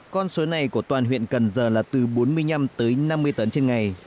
con số này của toàn huyện cần giờ là từ bốn mươi năm tới năm mươi tấn trên ngày